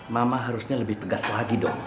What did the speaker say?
mama harusnya lebih tegas lagi dong